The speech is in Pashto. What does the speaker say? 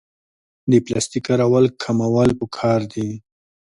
د پلاستیک کارول کمول پکار دي